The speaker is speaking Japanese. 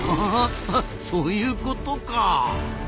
はははそういうことか。